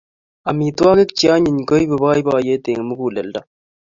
Amitwogik che anyiny koipu boiboiyet eng muguleldo